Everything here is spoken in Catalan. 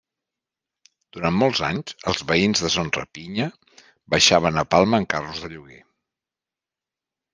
Durant molts anys els veïns de Son Rapinya baixaven a Palma en carros de lloguer.